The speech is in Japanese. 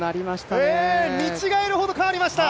見違えるほど変わりました。